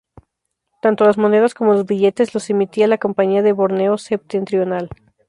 Tanto las monedas como los billetes los emitía la Compañía de Borneo Septentrional.